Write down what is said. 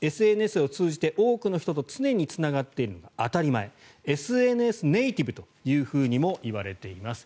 ＳＮＳを通じて多くの人と常につながっているのが当たり前ＳＮＳネイティブともいわれています。